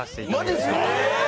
マジっすか。